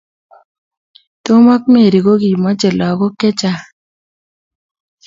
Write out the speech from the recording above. Tom ak Mary ko kimoche lagok chechang